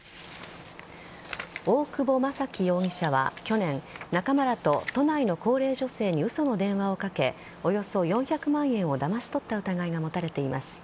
大久保将貴容疑者は去年仲間らと都内の高齢女性に嘘の電話をかけおよそ４００万円をだまし取った疑いが持たれています。